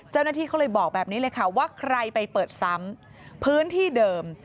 เจ้าหน้าที่เขาเลยบอกแบบนี้เลยค่ะว่าใครไปเปิดซ้ำพื้นที่เดิม